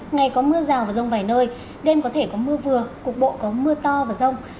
ngày có mưa rào và rông vài nơi đêm có thể có mưa vừa cục bộ có mưa to và rông